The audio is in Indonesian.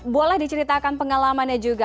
boleh diceritakan pengalamannya juga